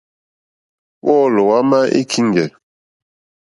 Wɔ́ɔ̌lɔ̀ wá má í kíŋɡɛ̀.